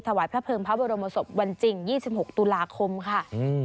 ถวายพระเภิงพระบรมศพวันจริง๒๖ตุลาคมค่ะ